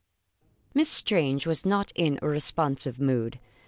Miss Strange was not in a responsive mood.